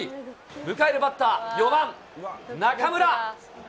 迎えるバッター、４番中村。